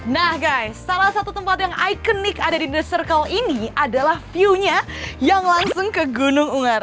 nah guy salah satu tempat yang ikonik ada di the circle ini adalah view nya yang langsung ke gunung ungar